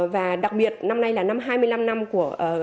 và đặc biệt năm nay là năm hai mươi năm năm của